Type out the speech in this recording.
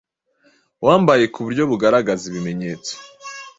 wambaye ku buryo bugaragaza ibimenyetso